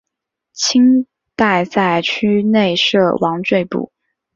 清代在区内设王赘步。